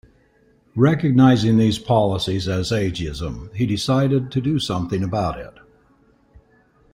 Recognizing these policies as ageism, he decided to do something about it.